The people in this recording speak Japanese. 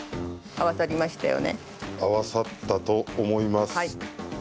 合わさったと思います。